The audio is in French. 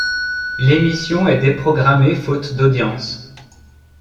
L'émission est déprogrammée faute d'audience.